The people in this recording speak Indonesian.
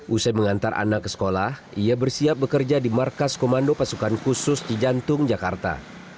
usai mengantar anak ke sekolah ia bersiap bekerja di markas komando pasukan khusus di jantung jakarta